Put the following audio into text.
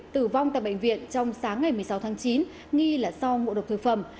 tử vong tại bệnh viện trong sáng ngày một mươi sáu tháng chín nghi là do ngộ độc thực phẩm